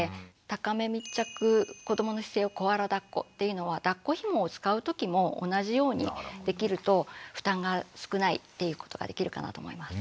高め密着子どもの姿勢をコアラだっこっていうのはだっこひもを使う時も同じようにできると負担が少ないっていうことができるかなと思います。